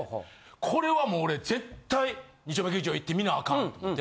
これはもう俺絶対２丁目劇場行って観なあかんと思って。